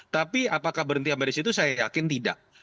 tapi apakah berhenti amalis itu saya yakin tidak